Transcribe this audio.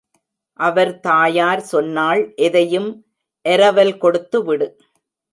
அவர் தாயார் சொன்னாள், எதையும் எரவல் கொடுத்துவிடு.